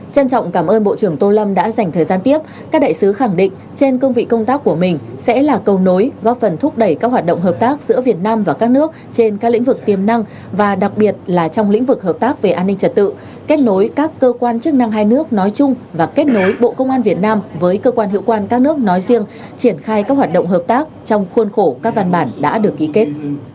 chân trọng cảm ơn bộ trưởng tô lâm đã dành thời gian tiếp các đại sứ khẳng định trên công vị công tác của mình sẽ là cầu nối góp phần thúc đẩy các hoạt động hợp tác giữa việt nam và các nước trên các lĩnh vực tiềm năng và đặc biệt là trong lĩnh vực hợp tác về an ninh trật tự kết nối các cơ quan chức năng hai nước nói chung và kết nối bộ công an việt nam với cơ quan hữu quan các nước nói riêng triển khai các hoạt động hợp tác trong khuôn khổ các văn bản đã được ký kết